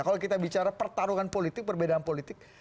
kalau kita bicara pertarungan politik perbedaan politik